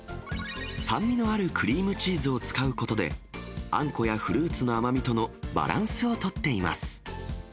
酸味のあるクリームチーズを使うことで、あんこやフルーツの甘みとのバランスを取っています。